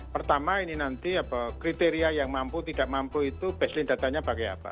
pertama ini nanti kriteria yang mampu tidak mampu itu baseling datanya pakai apa